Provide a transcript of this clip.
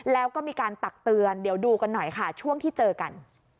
แล้วก็มีการตักเตือนเดี๋ยวดูกันหน่อยค่ะช่วงที่เจอกัน